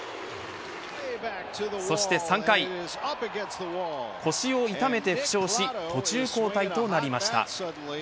そして３回腰を痛めて負傷し途中交代となりました。